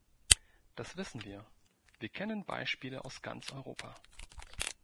Das wissen wir, wir kennen Beispiele aus ganz Europa.